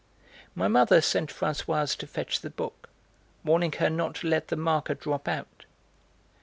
My mother sent Françoise to fetch the book, warning her not to let the marker drop out.